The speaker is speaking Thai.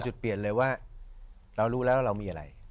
จุดเปลี่ยนเลยว่าเรารู้แล้วเรามีอะไร